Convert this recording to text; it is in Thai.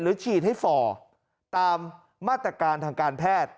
ฉีดให้ฝ่อตามมาตรการทางการแพทย์